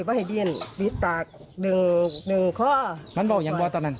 พำน้ำเบาก็บ้วยอย่างบว่าตอนนั้น